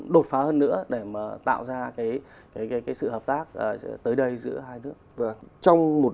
đột phá hơn nữa để mà tạo ra cái sự hợp tác tới đây giữa hai nước